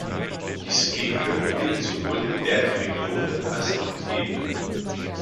Die Skinke leben sowohl in Bergregionen als auch in Ebenen.